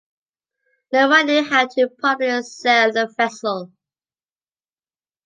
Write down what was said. No one knew how to properly sail a vessel.